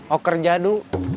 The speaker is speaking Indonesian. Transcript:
oh kerja du